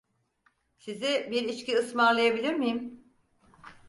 Size bir içki ısmarlayabilir miyim?